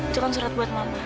cukup surat buat mama